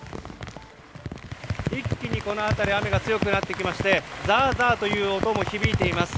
一気に、この辺り雨が強くなってきましてザーザーという音も響いています。